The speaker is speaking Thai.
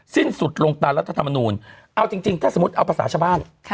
สิ้นสุดลงตามรัฐธรรมนูลเอาจริงถ้าสมมุติเอาภาษาชาวบ้าน